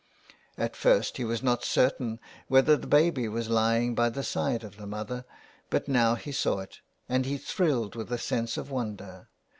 At first he was not certain whether the baby was lying by the side of the mother, but now he saw it, and he thrilled with a sense of wonder.